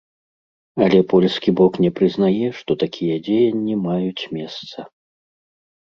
Але польскі бок не прызнае, што такія дзеянні маюць месца.